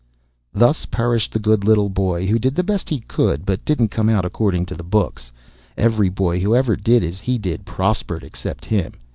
] Thus perished the good little boy who did the best he could, but didn't come out according to the books. Every boy who ever did as he did prospered except him.